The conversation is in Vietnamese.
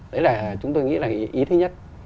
đấy là chúng tôi nghĩ là ý thứ nhất